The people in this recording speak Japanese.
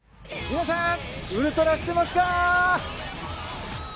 皆さんウルトラしてますか？